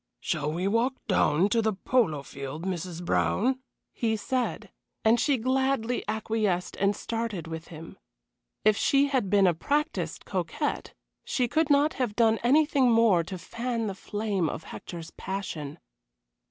"Shall we walk down to the polo field, Mrs. Brown?" he said, and she gladly acquiesced and started with him. If she had been a practised coquette she could not have done anything more to fan the flame of Hector's passion.